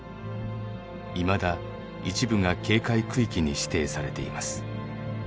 いまだ一部が警戒区域に指定されています。